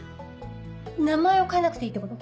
名前を変えなくていいってこと？